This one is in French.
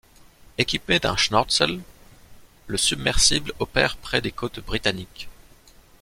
Équipé d'un Schnorchel, le submersible opère près des côtes britanniques.